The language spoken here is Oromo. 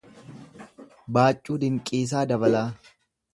Baaccuu Dinqiisaa Dabalaa